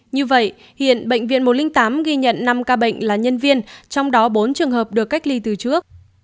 như vậy hiện bệnh viện một trăm linh tám ghi nhận năm ca bệnh là nhân viên trong đó bốn trường hợp được cách ly từ trước